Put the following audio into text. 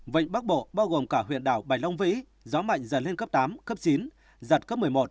vịnh bắc bộ bao gồm cả huyện đảo bạch long vĩ gió mạnh dần lên cấp tám cấp chín giật cấp một mươi một